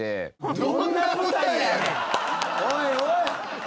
おいおい！